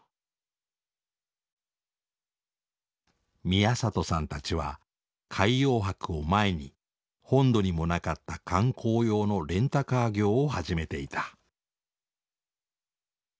宮里さんたちは海洋博を前に本土にもなかった観光用のレンタカー業を始めていた。